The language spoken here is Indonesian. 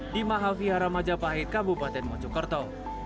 di mahavihara majapahit kabupaten mojokerto